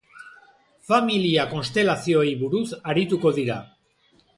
Familia konstelazioei buruz arituko dira.